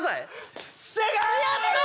やった！